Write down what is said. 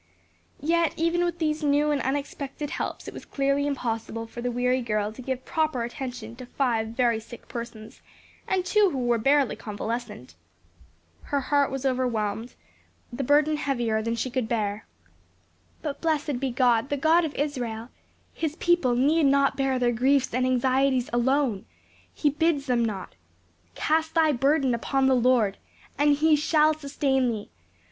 Yet even with these new and unexpected helps it was clearly impossible for the weary girl to give proper attention to five very sick persons, and two who were barely convalescent. Her heart was overwhelmed; the burden heavier than she could bear. But blessed be God, the God of Israel, his people need not bear their griefs and anxieties alone; he bids them not. "Cast thy burden upon the Lord, and he shall sustain thee."